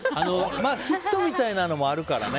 キットみたいなのもあるけどね。